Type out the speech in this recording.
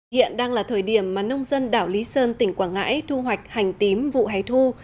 hiện đang là thời điểm mà nông dân đảo lý sơn tỉnh quảng ngãi thu hoạch hành tím vụ hè thu